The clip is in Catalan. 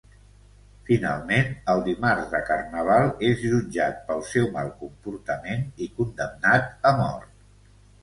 Finalment, el dimarts de carnaval és jutjat pel seu mal comportament i condemnat a mort.